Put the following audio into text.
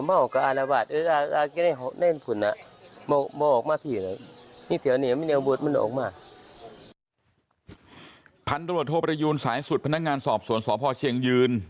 พันธุรกิจโทรประยุณสายสุดพนักงานสอบสวนสอบพ่อเชียงยืน